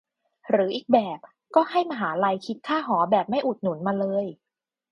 หรืออีกแบบ ก็ให้มหาลัยคิดค่าหอแบบไม่อุดหนุนมาเลย